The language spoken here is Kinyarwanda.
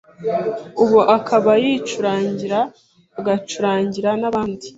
ubu akaba yicurangira agacurangira n’abandi.